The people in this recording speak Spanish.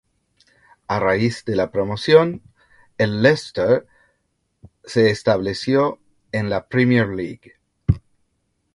A raíz de la promoción, el Leicester se estableció en la Premier League.